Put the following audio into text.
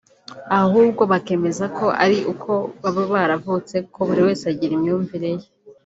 ahubwo bakemeza ko ari uko baba baravutse kuko buri wese agira imyumvire ye